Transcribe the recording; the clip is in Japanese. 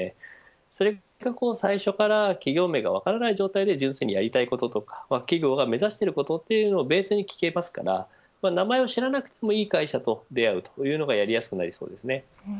それが最初から企業名が分からない状態で純粋にやりたいこととか企業が目指していることをベースに聞けますから名前を知らなくてもいい会社と出会えるというのがやりやすくなりそうです。